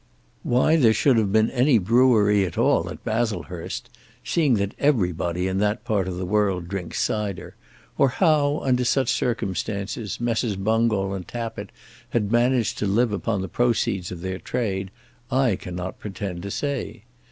Why there should have been any brewery at all at Baslehurst, seeing that everybody in that part of the world drinks cider, or how, under such circumstances, Messrs. Bungall and Tappitt had managed to live upon the proceeds of their trade, I cannot pretend to say.